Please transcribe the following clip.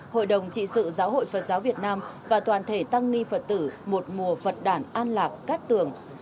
hội đồng trị sự giáo hội phật giáo việt nam và toàn thể tăng ni phật tử một mùa phật đản an lạc cát tường